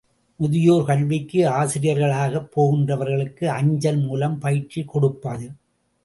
முதியோர் கல்விக்கு ஆசிரியர்களாகப் போகிறவர்களுக்கு அஞ்சல் மூலம் பயிற்சி கொடுப்பது.